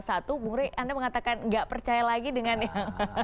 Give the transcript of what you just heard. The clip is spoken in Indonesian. bung rie anda mengatakan gak percaya lagi dengan yang